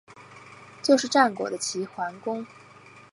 就是战国的齐桓公。